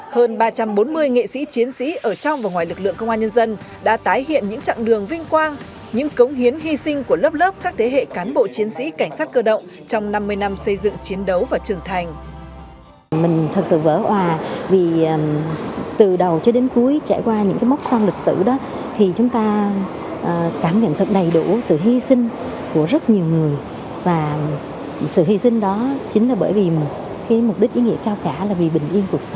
hơn ba trăm bốn mươi nghệ sĩ chiến sĩ ở trong và ngoài lực lượng công an nhân dân đã tái hiện những trạng đường vinh quang những cống hiến hy sinh của lớp lớp các thế hệ cán bộ chiến sĩ cảnh sát cơ động trong năm mươi năm xây dựng chiến đấu và trưởng thành